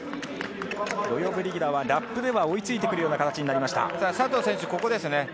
ロヨブリギダはラップでは追いついてきたような形となりました。